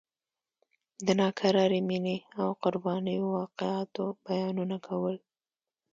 د ناکرارې مینې او قربانیو واقعاتو بیانونه کول.